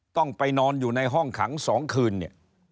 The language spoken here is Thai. ต้องไปนอนอยู่ในห้องขัง๒คืนเนี่ย